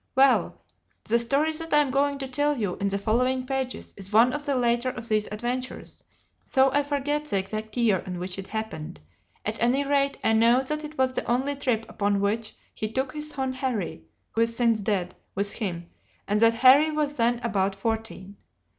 Well, the story that I am going to tell you in the following pages is one of the later of these adventures, though I forget the exact year in which it happened, at any rate I know that it was the only trip upon which he took his son Harry (who is since dead) with him, and that Harry was then about fourteen.